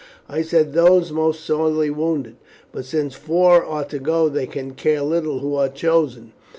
I said those most sorely wounded, but since four are to go they can care little who are chosen.